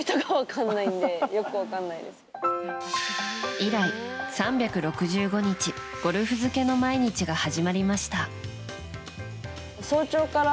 以来、３６５日ゴルフ漬けの毎日が始まりました。